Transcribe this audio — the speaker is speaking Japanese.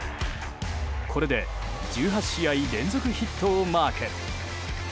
これで１８試合連続ヒットをマーク。